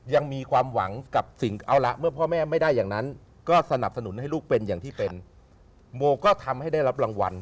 ยุคเป็นอย่างที่เป็นโมก็ทำให้ได้รับรางหวัญ